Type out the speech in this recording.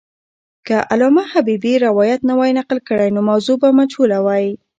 که علامه حبیبي روایت نه وای نقل کړی، نو موضوع به مجهوله وای.